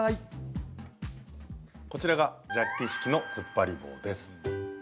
こちらがジャッキ式のつっぱり棒です。